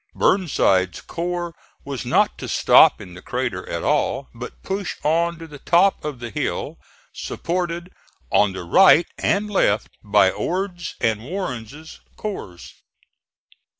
Burnside's corps was not to stop in the crater at all but push on to the top of the hill, supported on the right and left by Ord's and Warren's corps.